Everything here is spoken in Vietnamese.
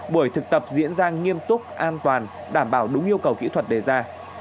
buổi thực tập diễn ra nghiêm túc an toàn đảm bảo đúng yêu cầu kỹ thuật đề ra